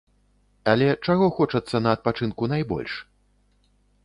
Але чаго хочацца на адпачынку найбольш?